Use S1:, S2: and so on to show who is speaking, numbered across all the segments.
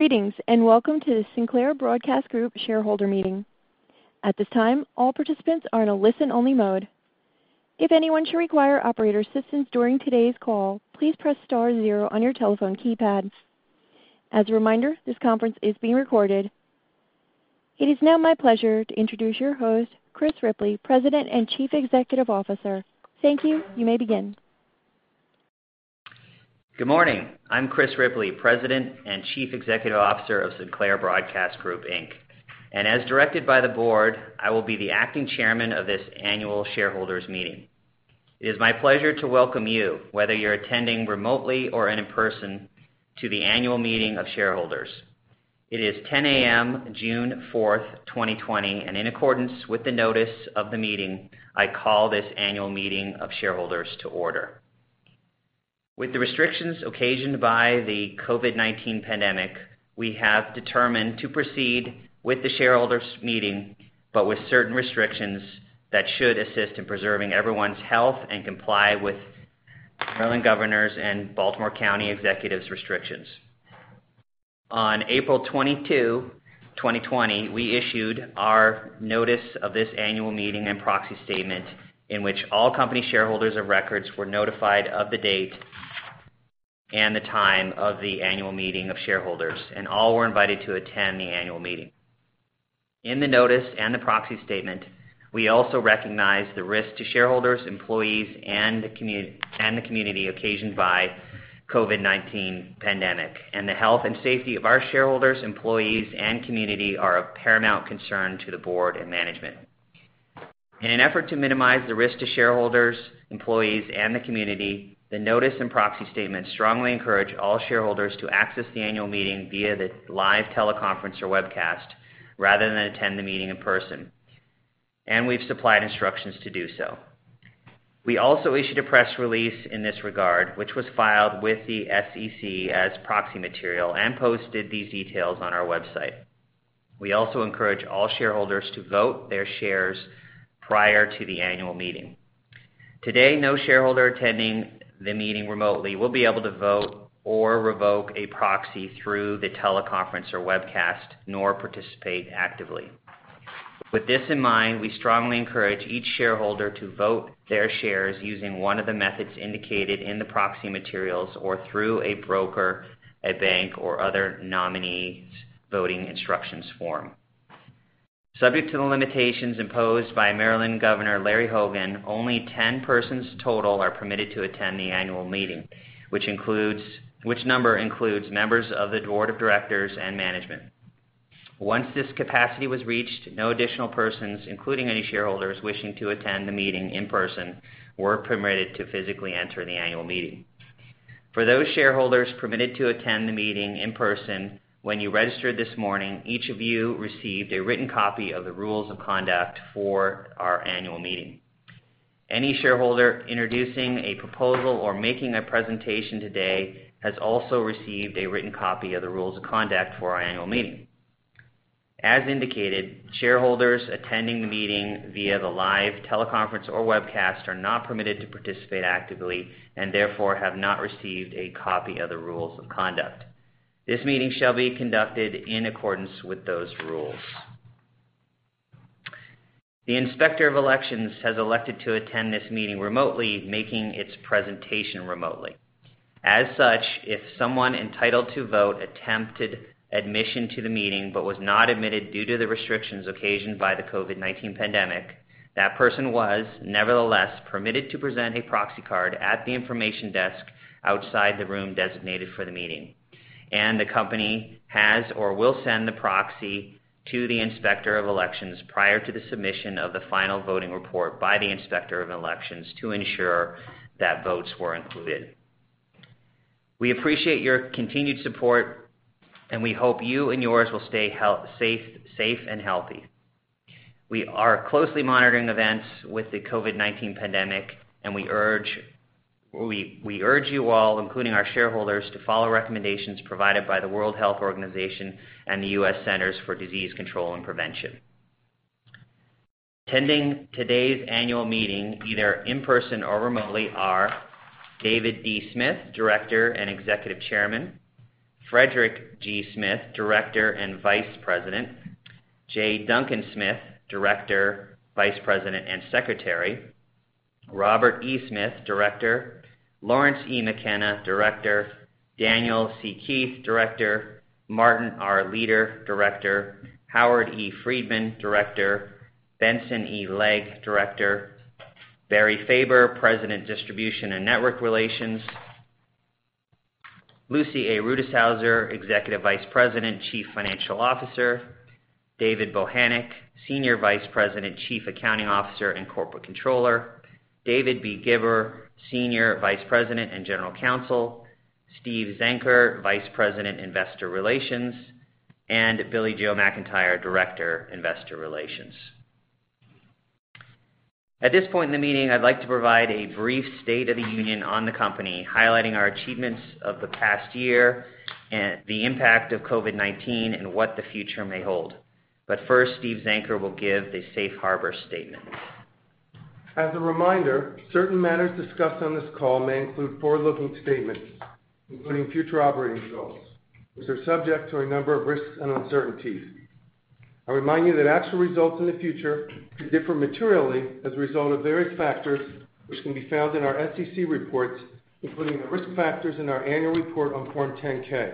S1: Greetings, and welcome to the Sinclair Broadcast Group shareholder meeting. At this time, all participants are in a listen-only mode. If anyone should require operator assistance during today's call, please press star zero on your telephone keypads. As a reminder, this conference is being recorded. It is now my pleasure to introduce your host, Chris Ripley, President and Chief Executive Officer. Thank you. You may begin.
S2: Good morning. I'm Chris Ripley, President and Chief Executive Officer of Sinclair Broadcast Group, Inc. As directed by the board, I will be the acting chairman of this annual shareholders meeting. It is my pleasure to welcome you, whether you're attending remotely or in person, to the annual meeting of shareholders. It is 10:00 A.M., June 4th, 2020, and in accordance with the notice of the meeting, I call this annual meeting of shareholders to order. With the restrictions occasioned by the COVID-19 pandemic, we have determined to proceed with the shareholders meeting, but with certain restrictions that should assist in preserving everyone's health and comply with Maryland governor's and Baltimore County executive's restrictions. On April 22, 2020, we issued our notice of this annual meeting and proxy statement in which all company shareholders of record were notified of the date and the time of the annual meeting of shareholders. All were invited to attend the annual meeting. In the notice and the proxy statement, we also recognized the risk to shareholders, employees, and the community occasioned by COVID-19 pandemic. The health and safety of our shareholders, employees, and community are of paramount concern to the board and management. In an effort to minimize the risk to shareholders, employees, and the community, the notice and proxy statement strongly encourage all shareholders to access the annual meeting via the live teleconference or webcast, rather than attend the meeting in person. We've supplied instructions to do so. We also issued a press release in this regard, which was filed with the SEC as proxy material and posted these details on our website. We also encourage all shareholders to vote their shares prior to the annual meeting. Today, no shareholder attending the meeting remotely will be able to vote or revoke a proxy through the teleconference or webcast, nor participate actively. With this in mind, we strongly encourage each shareholder to vote their shares using one of the methods indicated in the proxy materials or through a broker, a bank, or other nominee's voting instructions form. Subject to the limitations imposed by Maryland Governor Larry Hogan, only 10 persons total are permitted to attend the annual meeting, which number includes members of the board of directors and management. Once this capacity was reached, no additional persons, including any shareholders wishing to attend the meeting in person, were permitted to physically enter the annual meeting. For those shareholders permitted to attend the meeting in person, when you registered this morning, each of you received a written copy of the rules of conduct for our annual meeting. Any shareholder introducing a proposal or making a presentation today has also received a written copy of the rules of conduct for our annual meeting. As indicated, shareholders attending the meeting via the live teleconference or webcast are not permitted to participate actively and therefore have not received a copy of the rules of conduct. This meeting shall be conducted in accordance with those rules. The Inspector of Elections has elected to attend this meeting remotely, making its presentation remotely. As such, if someone entitled to vote attempted admission to the meeting but was not admitted due to the restrictions occasioned by the COVID-19 pandemic, that person was nevertheless permitted to present a proxy card at the information desk outside the room designated for the meeting, and the company has or will send the proxy to the Inspector of Elections prior to the submission of the final voting report by the Inspector of Elections to ensure that votes were included. We appreciate your continued support, and we hope you and yours will stay safe and healthy. We are closely monitoring events with the COVID-19 pandemic, and we urge you all, including our shareholders, to follow recommendations provided by the World Health Organization and the US Centers for Disease Control and Prevention. Attending today's annual meeting, either in person or remotely, are David D. Smith, Director and Executive Chairman; Frederick G. Smith, Director and Vice President; J. Duncan Smith, Director, Vice President, and Secretary; Robert E. Smith, Director; Lawrence E. McCanna, Director; Daniel C. Keith, Director; Martin R. Leader, Director; Howard E. Friedman, Director; Benson E. Legg, Director; Barry Faber, President, Distribution and Network Relations; Lucy A. Rutishauser, Executive Vice President, Chief Financial Officer; David Bochenek, Senior Vice President, Chief Accounting Officer, and Corporate Controller; David B. Gibber, Senior Vice President and General Counsel; Steve Zenker, Vice President, Investor Relations; Billie-Jo McIntire, Associate Vice President, Investor Relations. At this point in the meeting, I'd like to provide a brief state of the union on the company, highlighting our achievements of the past year and the impact of COVID-19 and what the future may hold. First, Steve Zenker will give the safe harbor statement.
S3: As a reminder, certain matters discussed on this call may include forward-looking statements, including future operating results, which are subject to a number of risks and uncertainties. I remind you that actual results in the future could differ materially as a result of various factors, which can be found in our SEC reports, including the risk factors in our annual report on Form 10-K.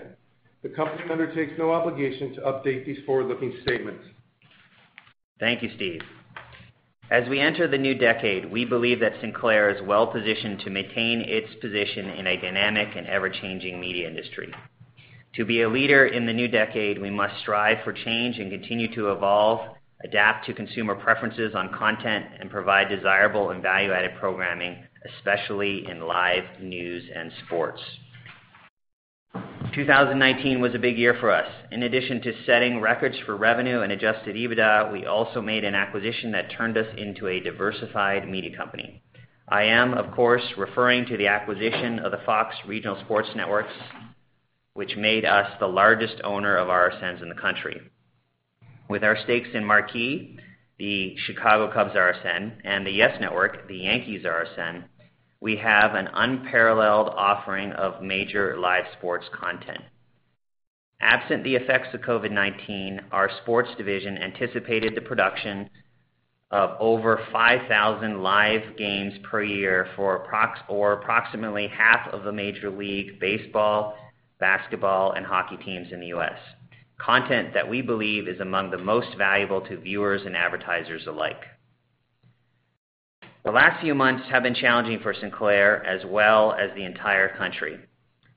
S3: The company undertakes no obligation to update these forward-looking statements.
S2: Thank you, Steve. As we enter the new decade, we believe that Sinclair is well-positioned to maintain its position in a dynamic and ever-changing media industry. To be a leader in the new decade, we must strive for change and continue to evolve, adapt to consumer preferences on content, and provide desirable and value-added programming, especially in live news and sports. 2019 was a big year for us. In addition to setting records for revenue and adjusted EBITDA, we also made an acquisition that turned us into a diversified media company. I am, of course, referring to the acquisition of the Fox Regional Sports Networks, which made us the largest owner of RSNs in the country. With our stakes in Marquee, the Chicago Cubs RSN, and the YES Network, the Yankees RSN, we have an unparalleled offering of major live sports content. Absent the effects of COVID-19, our sports division anticipated the production of over 5,000 live games per year for approximately half of the Major League Baseball, basketball, and hockey teams in the U.S. Content that we believe is among the most valuable to viewers and advertisers alike. The last few months have been challenging for Sinclair, as well as the entire country,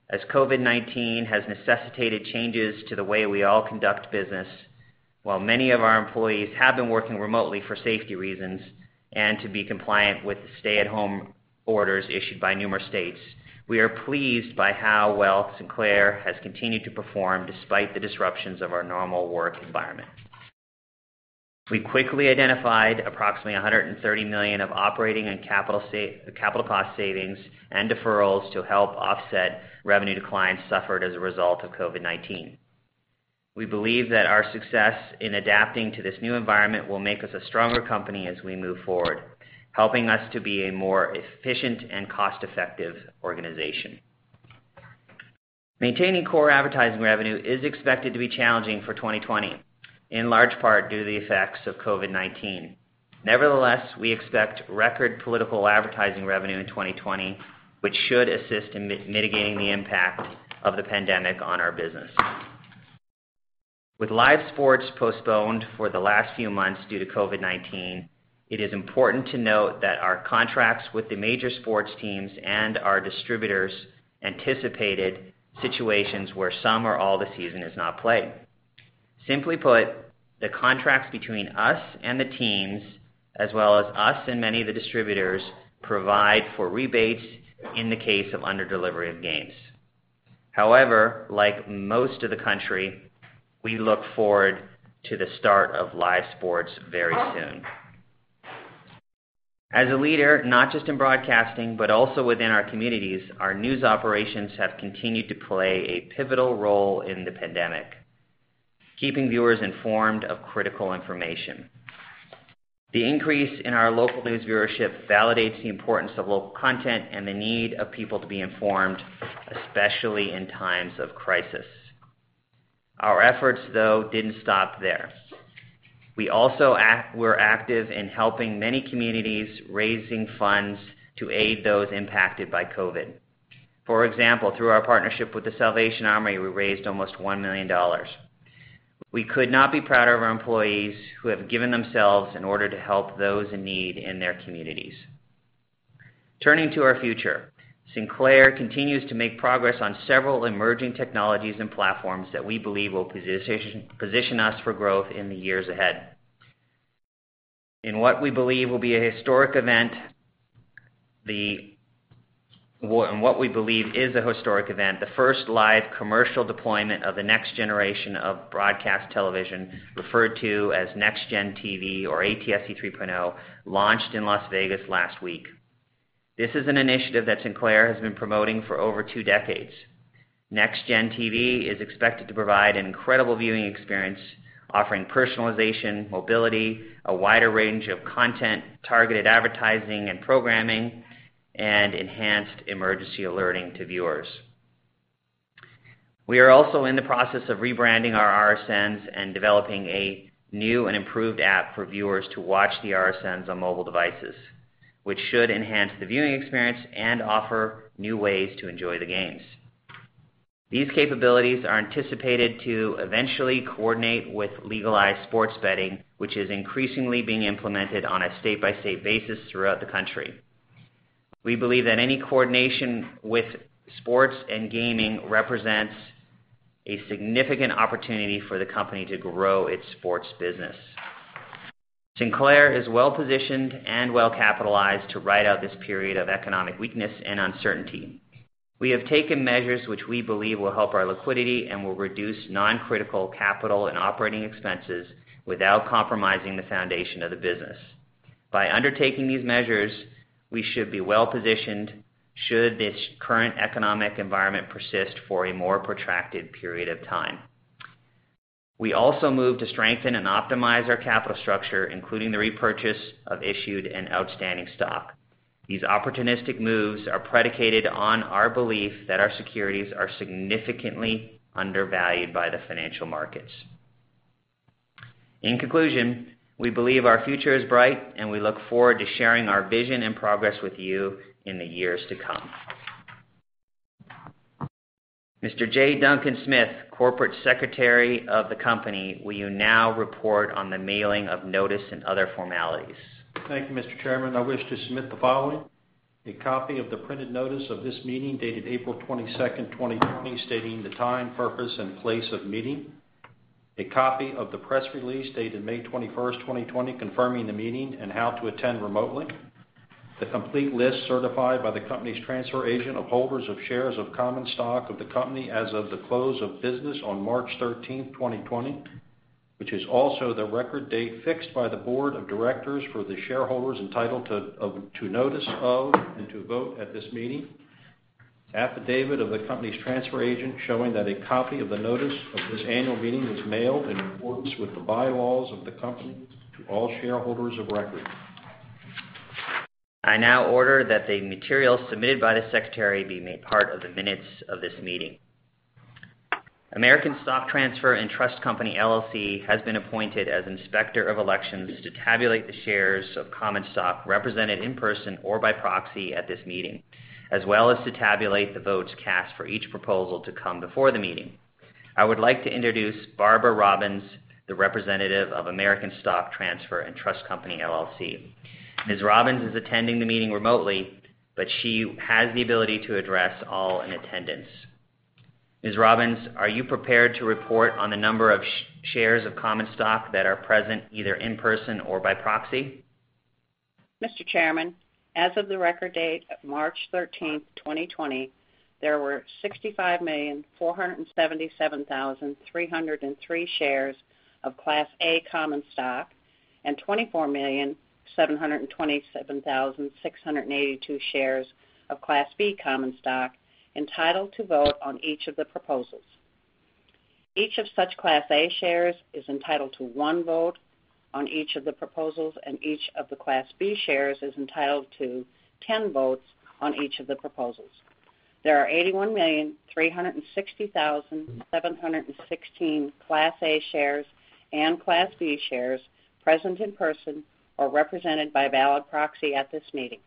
S2: as COVID-19 has necessitated changes to the way we all conduct business. While many of our employees have been working remotely for safety reasons and to be compliant with the stay-at-home orders issued by numerous states, we are pleased by how well Sinclair has continued to perform despite the disruptions of our normal work environment. We quickly identified approximately $130 million of operating and capital cost savings and deferrals to help offset revenue declines suffered as a result of COVID-19. We believe that our success in adapting to this new environment will make us a stronger company as we move forward, helping us to be a more efficient and cost-effective organization. Maintaining core advertising revenue is expected to be challenging for 2020, in large part due to the effects of COVID-19. Nevertheless, we expect record political advertising revenue in 2020, which should assist in mitigating the impact of the pandemic on our business. With live sports postponed for the last few months due to COVID-19, it is important to note that our contracts with the major sports teams and our distributors anticipated situations where some or all the season is not played. Simply put, the contracts between us and the teams, as well as us and many of the distributors, provide for rebates in the case of underdelivery of games. Like most of the country, we look forward to the start of live sports very soon. As a leader, not just in broadcasting, but also within our communities, our news operations have continued to play a pivotal role in the pandemic, keeping viewers informed of critical information. The increase in our local news viewership validates the importance of local content and the need of people to be informed, especially in times of crisis. Our efforts, though, didn't stop there. We also were active in helping many communities, raising funds to aid those impacted by COVID. For example, through our partnership with The Salvation Army, we raised almost $1 million. We could not be prouder of our employees who have given themselves in order to help those in need in their communities. Turning to our future, Sinclair continues to make progress on several emerging technologies and platforms that we believe will position us for growth in the years ahead. In what we believe is a historic event, the first live commercial deployment of the next generation of broadcast television, referred to as NextGen TV or ATSC 3.0, launched in Las Vegas last week. This is an initiative that Sinclair has been promoting for over two decades. NextGen TV is expected to provide an incredible viewing experience, offering personalization, mobility, a wider range of content, targeted advertising and programming, and enhanced emergency alerting to viewers. We are also in the process of rebranding our RSNs and developing a new and improved app for viewers to watch the RSNs on mobile devices, which should enhance the viewing experience and offer new ways to enjoy the games. These capabilities are anticipated to eventually coordinate with legalized sports betting, which is increasingly being implemented on a state-by-state basis throughout the country. We believe that any coordination with sports and gaming represents a significant opportunity for the company to grow its sports business. Sinclair is well-positioned and well-capitalized to ride out this period of economic weakness and uncertainty. We have taken measures which we believe will help our liquidity and will reduce non-critical capital and operating expenses without compromising the foundation of the business. By undertaking these measures, we should be well-positioned should this current economic environment persist for a more protracted period of time. We also moved to strengthen and optimize our capital structure, including the repurchase of issued and outstanding stock. These opportunistic moves are predicated on our belief that our securities are significantly undervalued by the financial markets. In conclusion, we believe our future is bright, and we look forward to sharing our vision and progress with you in the years to come. Mr. J. Duncan Smith, Corporate Secretary of the company, will you now report on the mailing of notice and other formalities?
S4: Thank you, Mr. Chairman. I wish to submit the following. A copy of the printed notice of this meeting dated April 22nd, 2020, stating the time, purpose, and place of the meeting. A copy of the press release dated May 21st, 2020, confirming the meeting and how to attend remotely. The complete list certified by the company's transfer agent of holders of shares of common stock of the company as of the close of business on March 13th, 2020, which is also the record date fixed by the board of directors for the shareholders entitled to notice of and to vote at this meeting. Affidavit of the company's transfer agent showing that a copy of the notice of this annual meeting was mailed in accordance with the bylaws of the company to all shareholders of record.
S2: I now order that the material submitted by the secretary be made part of the minutes of this meeting. American Stock Transfer & Trust Company, LLC, has been appointed as inspector of elections to tabulate the shares of common stock represented in person or by proxy at this meeting, as well as to tabulate the votes cast for each proposal to come before the meeting. I would like to introduce Barbara Robbins, the representative of American Stock Transfer & Trust Company, LLC. Ms. Robbins is attending the meeting remotely, she has the ability to address all in attendance. Ms. Robbins, are you prepared to report on the number of shares of common stock that are present either in person or by proxy?
S5: Mr. Chairman, as of the record date of March 13th, 2020, there were 65,477,303 shares of Class A common stock and 24,727,682 shares of Class B common stock entitled to vote on each of the proposals. Each of such Class A shares is entitled to one vote on each of the proposals, and each of the Class B shares is entitled to 10 votes on each of the proposals. There are 81,360,716 Class A shares and Class B shares present in person or represented by a valid proxy at this meeting.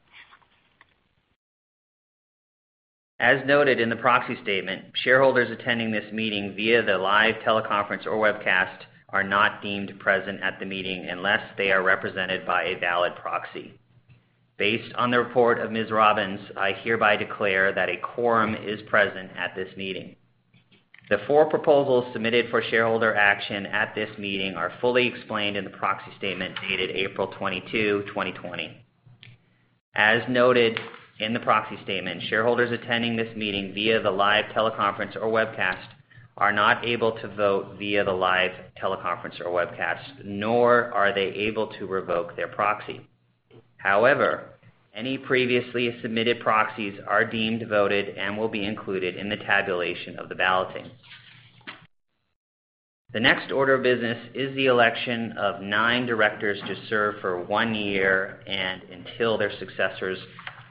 S2: As noted in the proxy statement, shareholders attending this meeting via the live teleconference or webcast are not deemed present at the meeting unless they are represented by a valid proxy. Based on the report of Ms. Robbins, I hereby declare that a quorum is present at this meeting. The four proposals submitted for shareholder action at this meeting are fully explained in the proxy statement dated April 22, 2020. As noted in the proxy statement, shareholders attending this meeting via the live teleconference or webcast are not able to vote via the live teleconference or webcast, nor are they able to revoke their proxy. However, any previously submitted proxies are deemed voted and will be included in the tabulation of the balloting. The next order of business is the election of nine directors to serve for one year and until their successors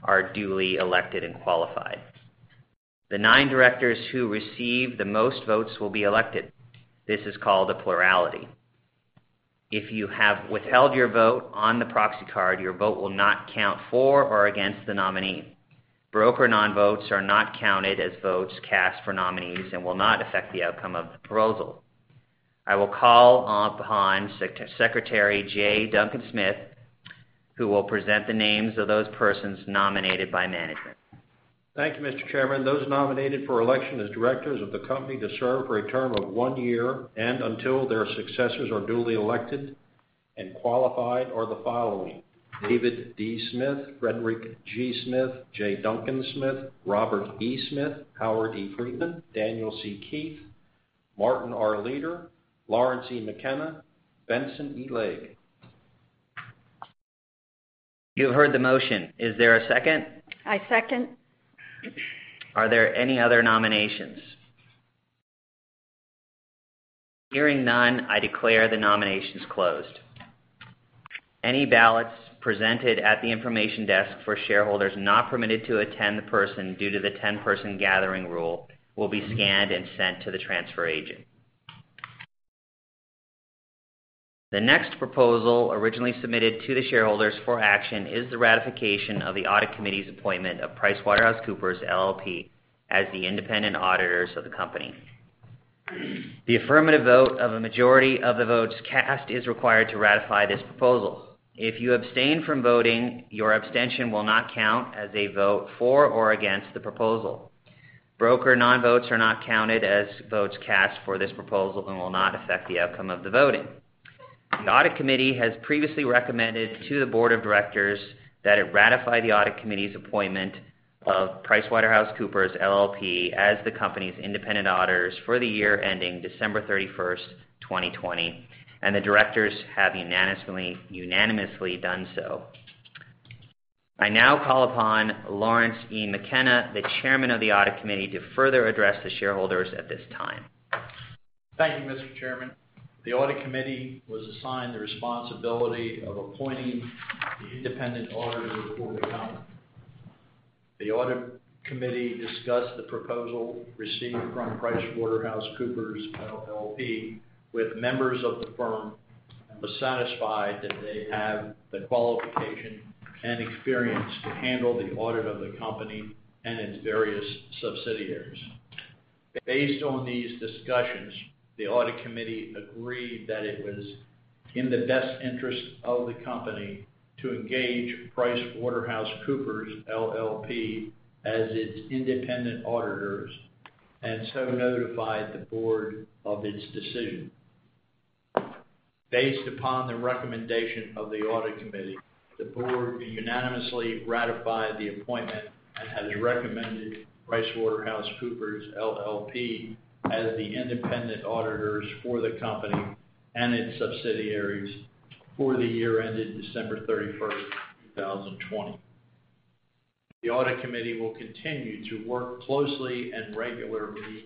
S2: are duly elected and qualified. The nine directors who receive the most votes will be elected. This is called a plurality. If you have withheld your vote on the proxy card, your vote will not count for or against the nominee. Broker non-votes are not counted as votes cast for nominees and will not affect the outcome of the proposal. I will call upon Secretary J. Duncan Smith, who will present the names of those persons nominated by management.
S4: Thank you, Mr. Chairman. Those nominated for election as directors of the company to serve for a term of one year and until their successors are duly elected and qualified are the following. David D. Smith, Frederick G. Smith, J. Duncan Smith, Robert E. Smith, Howard E. Friedman, Daniel C. Keith, Martin R. Leader, Lawrence E. McCanna, Benson E. Legg.
S2: You have heard the motion. Is there a second?
S5: I second.
S2: Are there any other nominations? Hearing none, I declare the nominations closed. Any ballots presented at the information desk for shareholders not permitted to attend in person due to the 10-person gathering rule will be scanned and sent to the transfer agent. The next proposal, originally submitted to the shareholders for action, is the ratification of the audit committee's appointment of PricewaterhouseCoopers, LLP as the independent auditors of the company. The affirmative vote of a majority of the votes cast is required to ratify this proposal. If you abstain from voting, your abstention will not count as a vote for or against the proposal. Broker non-votes are not counted as votes cast for this proposal and will not affect the outcome of the voting. The audit committee has previously recommended to the board of directors that it ratify the audit committee's appointment of PricewaterhouseCoopers, LLP as the company's independent auditors for the year ending December 31st, 2020, and the directors have unanimously done so. I now call upon Lawrence E. McCanna, the chairman of the audit committee, to further address the shareholders at this time.
S6: Thank you, Mr. Chairman. The audit committee was assigned the responsibility of appointing the independent audit report account. The audit committee discussed the proposal received from PricewaterhouseCoopers, LLP, with members of the firm, and was satisfied that they have the qualification and experience to handle the audit of the company and its various subsidiaries. Based on these discussions, the audit committee agreed that it was in the best interest of the company to engage PricewaterhouseCoopers, LLP, as its independent auditors, notified the board of its decision. Based upon the recommendation of the audit committee, the board unanimously ratified the appointment and has recommended PricewaterhouseCoopers, LLP, as the independent auditors for the company and its subsidiaries for the year ending December 31st, 2020. The audit committee will continue to work closely and regularly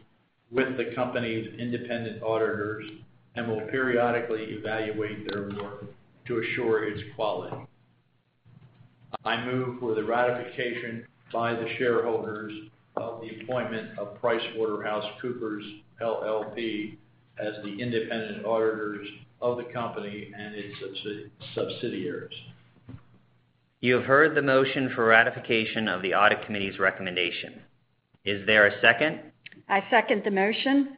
S6: with the company's independent auditors and will periodically evaluate their work to assure its quality. I move for the ratification by the shareholders of the appointment of PricewaterhouseCoopers, LLP, as the independent auditors of the company and its subsidiaries.
S2: You have heard the motion for ratification of the audit committee's recommendation. Is there a second?
S5: I second the motion.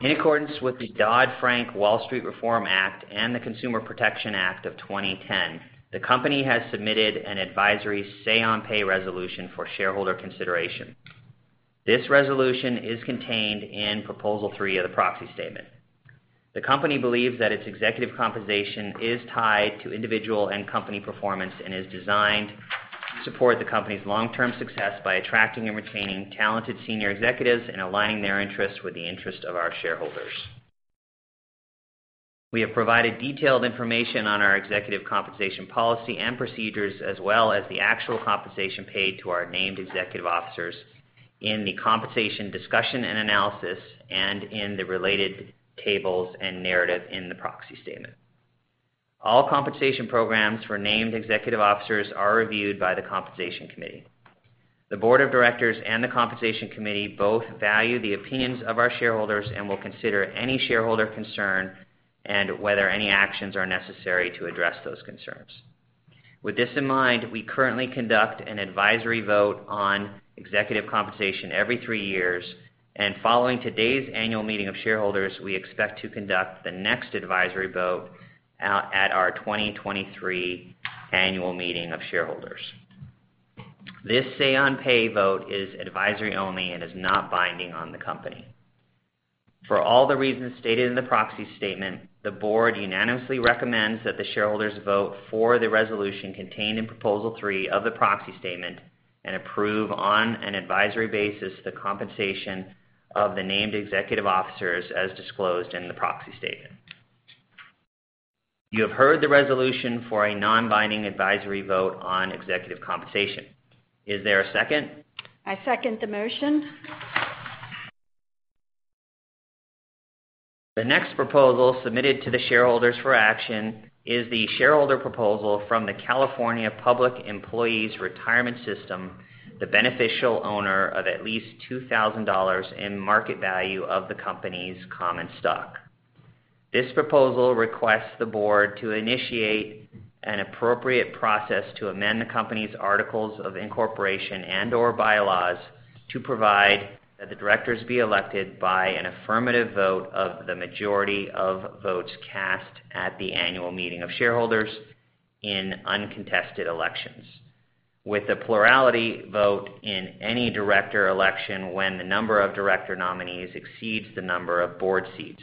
S2: In accordance with the Dodd-Frank Wall Street Reform and Consumer Protection Act of 2010, the company has submitted an advisory say-on-pay resolution for shareholder consideration. This resolution is contained in proposal three of the proxy statement. The company believes that its executive compensation is tied to individual and company performance and is designed to support the company's long-term success by attracting and retaining talented senior executives and aligning their interests with the interest of our shareholders. We have provided detailed information on our executive compensation policy and procedures as well as the actual compensation paid to our named executive officers in the compensation discussion and analysis and in the related tables and narrative in the proxy statement. All compensation programs for named executive officers are reviewed by the compensation committee. The board of directors and the compensation committee both value the opinions of our shareholders and will consider any shareholder concern and whether any actions are necessary to address those concerns. With this in mind, we currently conduct an advisory vote on executive compensation every three years, and following today's annual meeting of shareholders, we expect to conduct the next advisory vote at our 2023 annual meeting of shareholders. This say on pay vote is advisory only and is not binding on the company. For all the reasons stated in the proxy statement, the board unanimously recommends that the shareholders vote for the resolution contained in proposal three of the proxy statement and approve on an advisory basis the compensation of the named executive officers as disclosed in the proxy statement. You have heard the resolution for a non-binding advisory vote on executive compensation. Is there a second?
S5: I second the motion.
S2: The next proposal submitted to the shareholders for action is the shareholder proposal from the California Public Employees' Retirement System, the beneficial owner of at least $2,000 in market value of the company's common stock. This proposal requests the Board to initiate an appropriate process to amend the company's Articles of Incorporation and/or Bylaws to provide that the directors be elected by an affirmative vote of the majority of votes cast at the annual meeting of shareholders in uncontested elections. With the plurality vote in any director election when the number of director nominees exceeds the number of Board seats.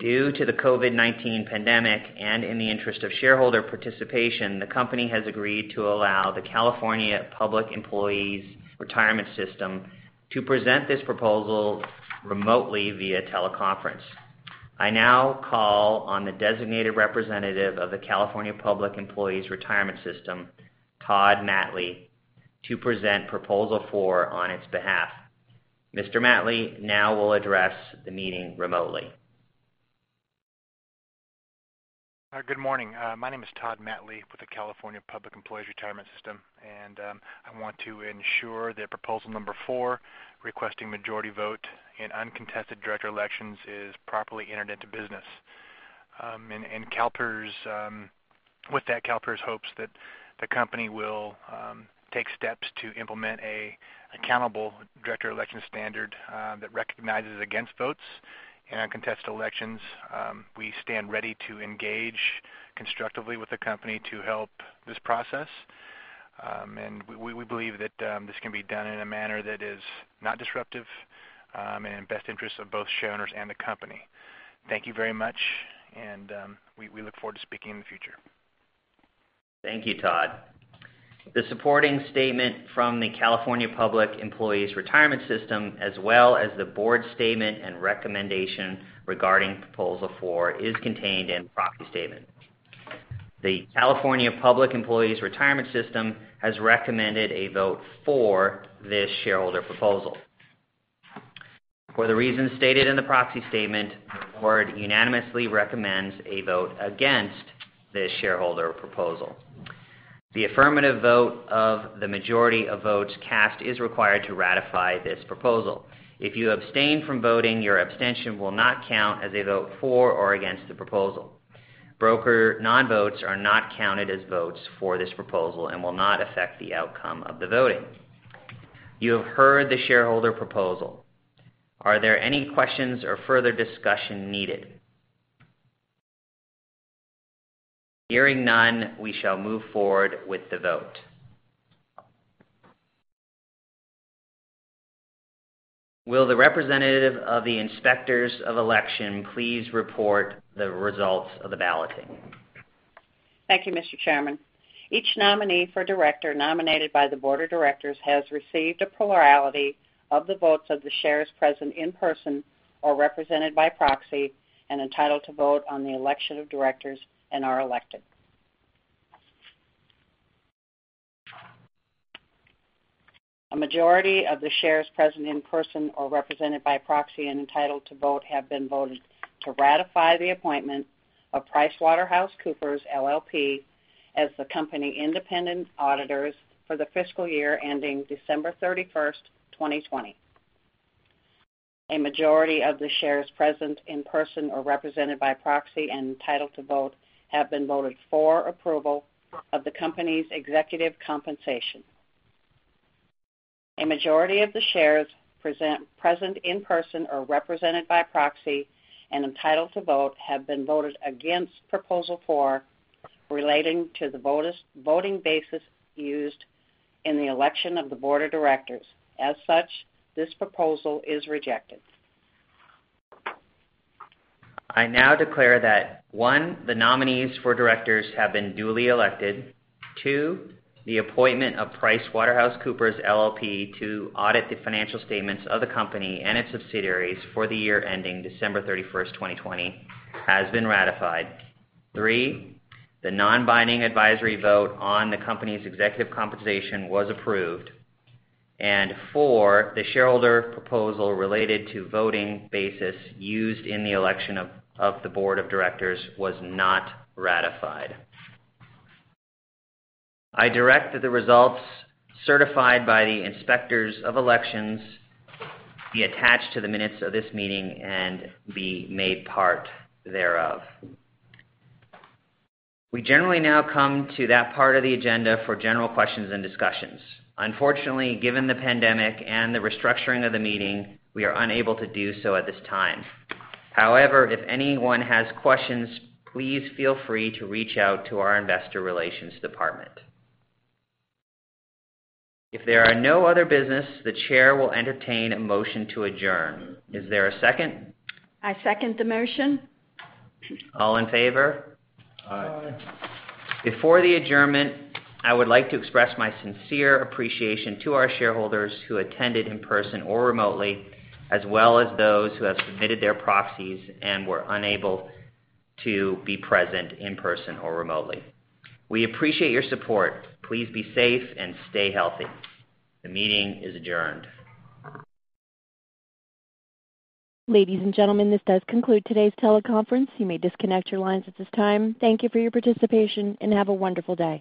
S2: Due to the COVID-19 pandemic and in the interest of shareholder participation, the company has agreed to allow the California Public Employees' Retirement System to present this proposal remotely via teleconference. I now call on the designated representative of the California Public Employees' Retirement System, Todd Mattley, to present proposal four on its behalf. Mr. Mattley now will address the meeting remotely.
S7: Good morning. My name is Todd Mattley with the California Public Employees' Retirement System, I want to ensure that proposal number 4, requesting majority vote in uncontested director elections, is properly entered into business. With that, CalPERS hopes that the company will take steps to implement a accountable director election standard that recognizes against votes in uncontested elections. We stand ready to engage constructively with the company to help this process. We believe that this can be done in a manner that is not disruptive and in best interest of both shareholders and the company. Thank you very much. We look forward to speaking in the future.
S2: Thank you, Todd. The supporting statement from the California Public Employees' Retirement System, as well as the board statement and recommendation regarding proposal four, is contained in the proxy statement. The California Public Employees' Retirement System has recommended a vote for this shareholder proposal. For the reasons stated in the proxy statement, the board unanimously recommends a vote against this shareholder proposal. The affirmative vote of the majority of votes cast is required to ratify this proposal. If you abstain from voting, your abstention will not count as a vote for or against the proposal. Broker non-votes are not counted as votes for this proposal and will not affect the outcome of the voting. You have heard the shareholder proposal. Are there any questions or further discussion needed? Hearing none, we shall move forward with the vote. Will the representative of the inspectors of election please report the results of the balloting?
S5: Thank you, Mr. Chairman. Each nominee for director nominated by the board of directors has received a plurality of the votes of the shares present in person or represented by proxy and entitled to vote on the election of directors and are elected. A majority of the shares present in person or represented by proxy and entitled to vote have been voted to ratify the appointment of PricewaterhouseCoopers, LLP as the company independent auditors for the fiscal year ending December 31, 2020. A majority of the shares present in person or represented by proxy and entitled to vote have been voted for approval of the company's executive compensation. A majority of the shares present in person or represented by proxy and entitled to vote have been voted against proposal 4 relating to the voting basis used in the election of the board of directors. As such, this proposal is rejected
S2: I now declare that, one, the nominees for directors have been duly elected. Two, the appointment of PricewaterhouseCoopers, LLP to audit the financial statements of the company and its subsidiaries for the year ending December 31st, 2020, has been ratified. Three, the non-binding advisory vote on the company's executive compensation was approved. Four, the shareholder proposal related to voting basis used in the election of the board of directors was not ratified. I direct that the results certified by the inspectors of elections be attached to the minutes of this meeting and be made part thereof. We generally now come to that part of the agenda for general questions and discussions. Unfortunately, given the pandemic and the restructuring of the meeting, we are unable to do so at this time. However, if anyone has questions, please feel free to reach out to our investor relations department. If there are no other business, the chair will entertain a motion to adjourn. Is there a second?
S5: I second the motion.
S2: All in favor?
S8: Aye.
S2: Before the adjournment, I would like to express my sincere appreciation to our shareholders who attended in person or remotely, as well as those who have submitted their proxies and were unable to be present in person or remotely. We appreciate your support. Please be safe and stay healthy. The meeting is adjourned.
S1: Ladies and gentlemen, this does conclude today's teleconference. You may disconnect your lines at this time. Thank you for your participation, and have a wonderful day.